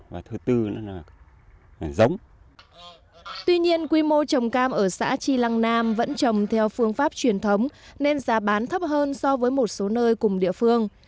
vùng trồng cam ở xã tri lăng nam vẫn trồng theo phương pháp truyền thống nên giá bán thấp hơn so với một số nơi cùng địa phương